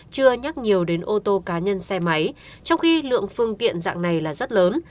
chưa nhắc nhiều đến ô tô cá nhân xe máy trong khi lượng phương tiện dạng này là rất lớn